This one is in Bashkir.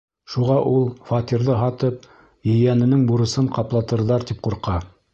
Шуға ул, фатирҙы һатып, ейәненең бурысын ҡаплатырҙар тип ҡурҡа.